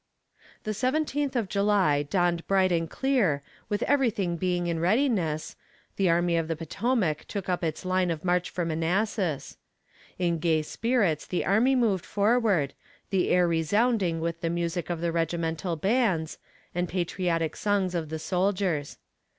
The 17th of July dawned bright and clear, and everything being in readiness, the Army of the Potomac took up its line of march for Manassas. In gay spirits the army moved forward, the air resounding with the music of the regimental bands, and patriotic songs of the soldiers.